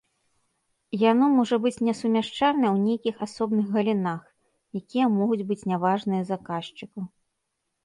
Яно можа быць несумяшчальнае ў нейкіх асобных галінах, якія могуць быць не важныя заказчыку.